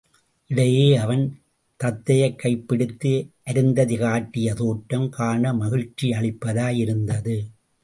இடையே அவன் தத்தையைக் கைப் பிடித்து அருந்ததி காட்டிய தோற்றம், காண மகிழ்ச்சி அளிப்பதாய் இருந்தது.